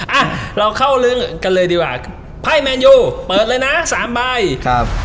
อ่าเราเข้าลืนกันเลยดีกว่าไภแมนยูเปิดนานาสามใบครับ